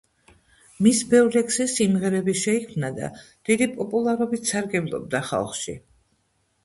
მის ბევრ ლექსზე სიმღერები შეიქმნა და დიდი პოპულარობით სარგებლობდა ხალხში.